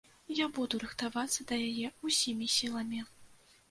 Я буду рыхтавацца да яе ўсімі сіламі.